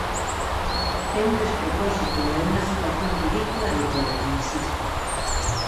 É un despropósito e unha situación ridícula de todo, insiste.